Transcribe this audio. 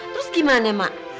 terus gimana mak